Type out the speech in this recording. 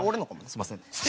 すみません。